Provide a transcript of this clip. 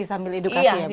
sambil edukasi ya bu